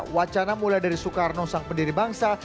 wacana mulai dari soekarno sang pendiri bangsa